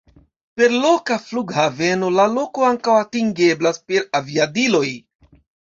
Per loka flughaveno la loko ankaŭ atingeblas per aviadiloj.